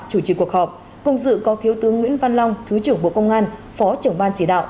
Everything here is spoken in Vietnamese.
chủ trì cuộc họp cùng dự có thiếu tướng nguyễn văn long thứ trưởng bộ công an phó trưởng ban chỉ đạo